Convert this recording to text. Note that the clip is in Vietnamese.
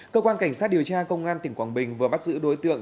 cơ quan cảnh sát điều tra công an tỉnh quảng bình vừa bắt giữ đối tượng